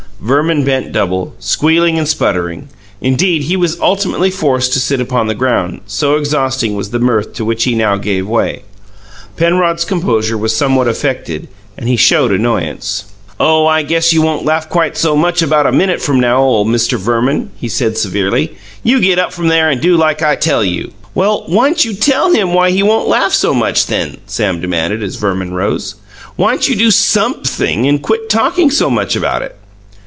Verman bent double, squealing and sputtering; indeed, he was ultimately forced to sit upon the ground, so exhausting was the mirth to which he now gave way. Penrod's composure was somewhat affected and he showed annoyance. "Oh, I guess you won't laugh quite so much about minute from now, ole Mister Verman!" he said severely. "You get up from there and do like I tell you." "Well, why'n't you TELL him why he won't laugh so much, then?" Sam demanded, as Verman rose. "Why'n't you do sumpthing and quit talkin' so much about it?"